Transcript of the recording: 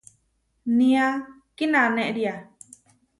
Nía kínanéria.